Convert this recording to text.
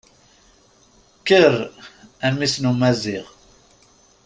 Kker, a mmi-s n umaziɣ!